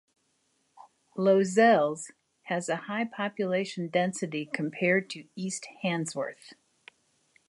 Lozells has a high population density compared to East Handsworth.